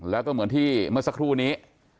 แล้วก็เหมือนที่เมื่อสักครู่นี้